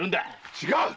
違う！